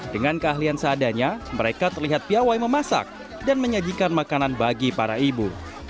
dengan keahlian seadanya mereka terlihat piawai memasak dan menyajikan makanan bagi para ibu